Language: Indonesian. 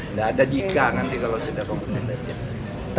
tidak ada jika nanti kalau sudah kompeten aja